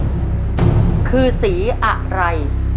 สีล่างสุดคือสีอะไร